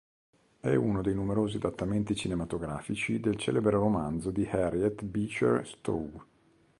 È uno dei numerosi adattamenti cinematografici del celebre romanzo di Harriet Beecher Stowe.